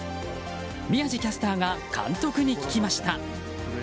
宮司キャスターが監督に聞きました。